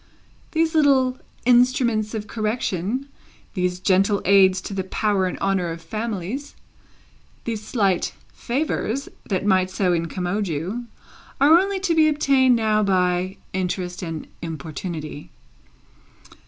These little instruments of correction, these gentle aids to the power and honour of families, these slight favours that might so incommode you, are only to be obtained now by interest and importunity.